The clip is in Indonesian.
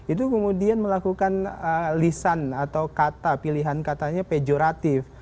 itu kemudian melakukan lisan atau kata pilihan katanya pejoratif